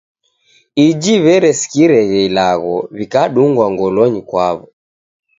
Iji w'eresikireghe ilagho, w'ikadungwa ngolonyi kwaw'o.